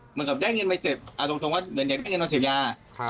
เหมือนกับได้เงินไปเสร็จเอาตรงว่าเหมือนอยากได้เงินมาเสพยา